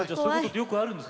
よくあるんですか？